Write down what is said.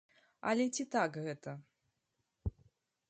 Але ці так гэта?